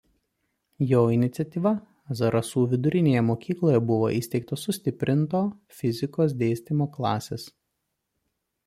Jo iniciatyva Zarasų vidurinėje mokykloje buvo įsteigtos sustiprinto fizikos dėstymo klasės.